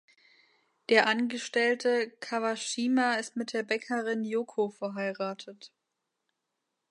Der Angestellte Kawashima ist mit der Bäckerin Yoko verheiratet.